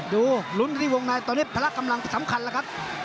ดูลุ้นที่วงในตอนนี้พละกำลังสำคัญแล้วครับ